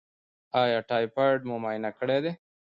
ایا ټایفایډ مو معاینه کړی دی؟